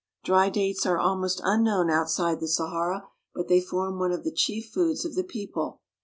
Dry dates are al most unknown outside the Sahara, but they form one of the chief foods of the people.